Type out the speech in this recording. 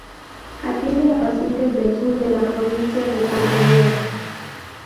Atiende a pacientes del sur de la provincia de Pontevedra.